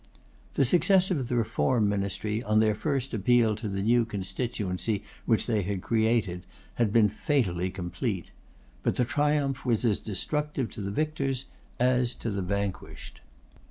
The success of the Reform Ministry on their first appeal to the new constituency which they had created, had been fatally complete. But the triumph was as destructive to the victors as to the vanquished.